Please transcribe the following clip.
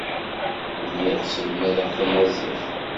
Lliɣ sselmadeɣ tamaziɣt.